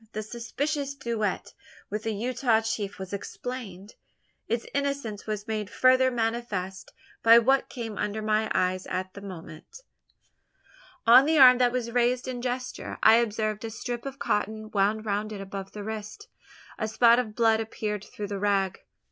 The suspicious duetto with the Utah chief was explained. Its innocence was made further manifest, by what came under my eyes at the moment. On the arm that was raised in gesture, I observed a strip of cotton wound round it above the wrist. A spot of blood appeared through the rag!